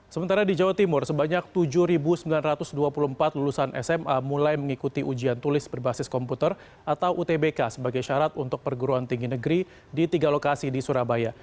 sementara di jawa timur sebanyak tujuh sembilan ratus dua puluh empat lulusan sma mulai mengikuti ujian tulis berbasis komputer atau utbk sebagai syarat untuk perguruan tinggi negeri di tiga lokasi di surabaya